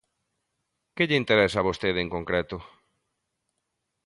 Que lle interesa a vostede en concreto?